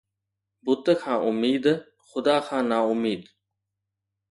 بت کان اميد، خدا کان نااميد